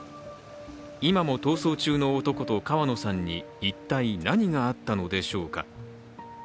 今も逃走中の男と川野さんに一体何があったのでしょうか。